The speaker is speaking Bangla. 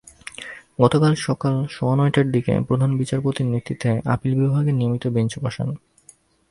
গতকাল সকাল সোয়া নয়টার দিকে প্রধান বিচারপতির নেতৃত্বে আপিল বিভাগের নিয়মিত বেঞ্চ বসেন।